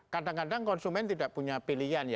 kadang kadang konsumen tidak punya pilihan ya